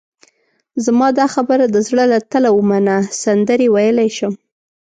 زما دا خبره د زړه له تله ومنه، سندرې ویلای شم.